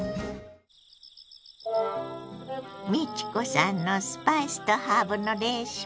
美智子さんのスパイスとハーブのレシピ。